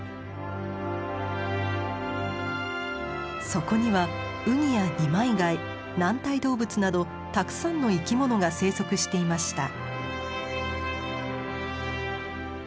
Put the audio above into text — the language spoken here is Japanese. そこにはウニや二枚貝軟体動物などたくさんの生き物が生息していました。